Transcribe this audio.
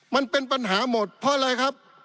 มันเป็นปัญหาหมดเพราะอะไรครับ